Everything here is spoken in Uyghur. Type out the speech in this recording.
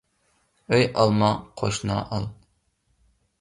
ئۆي ئالما، قوشنا ئال.